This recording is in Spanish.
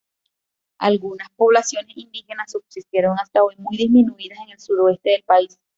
Algunas poblaciones indígenas subsistieron hasta hoy, muy disminuidas, en el sudoeste del país.